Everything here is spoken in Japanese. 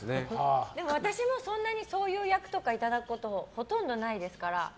私もそういう役とかいただくことはほとんどないですから。